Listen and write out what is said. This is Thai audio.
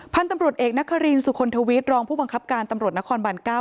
พันธุ์ตำรวจเอกนครินสุคลทวิทย์รองผู้บังคับการตำรวจนครบาน๙